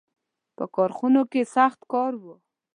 • په کارخانو کې سخت کار و.